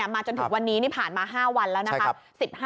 มาจนถึงวันนี้ผ่านมา๕วันแล้ว